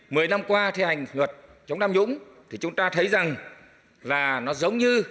mười năm qua thi hành luật chống tham nhũng thì chúng ta thấy rằng là nó giống như